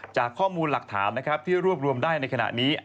จากข้อมูลหลักถามที่รวบรวมได้ในขณะนี้